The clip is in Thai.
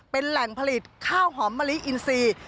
เป็นแหล่งผลิตข้าวหอมมะลิอินทรีย์